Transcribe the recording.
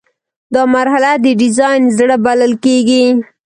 دا مرحله د ډیزاین زړه بلل کیږي.